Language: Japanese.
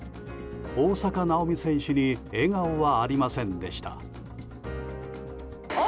大坂なおみ選手に笑顔はありませんでした。